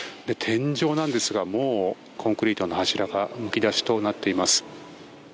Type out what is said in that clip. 天井なんですがもうコンクリートの柱がむき出しになっています。